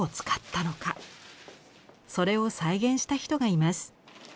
それを再現した人がいます。